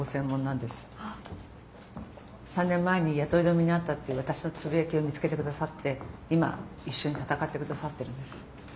３年前に雇い止めにあったっていう私のつぶやきを見つけて下さって今一緒に戦って下さってるんです。